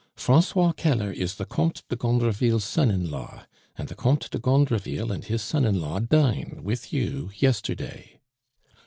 "Francois Keller is the Comte de Gondreville's son in law, and the Comte de Gondreville and his son in law dined with you yesterday."